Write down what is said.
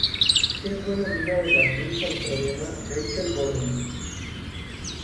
Es buena amiga de la actriz australiana Rachel Gordon.